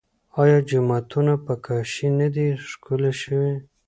آیا جوماتونه په کاشي نه دي ښکلي شوي؟